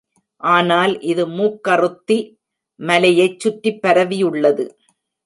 ஆனால் இது மூக்கறுத்தி மலையைச் சுற்றிப் பரவியுள்ளது.